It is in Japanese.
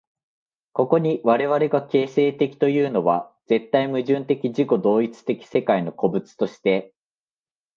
ここに我々が形成的というのは、絶対矛盾的自己同一的世界の個物として、